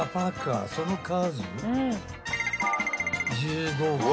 ［その数］